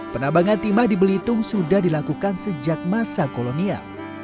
penambangan timah di belitung sudah dilakukan sejak masa kolonial